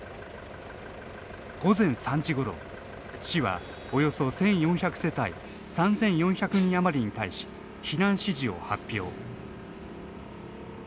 午前３時ごろ、市はおよそ１４００世帯３４００人余りに対し避難指示を発表。